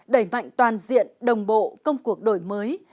đẩy mạnh toàn diện đồng bộ công cuộc đổi mới